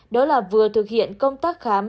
đó là vừa thực hiện công tác khám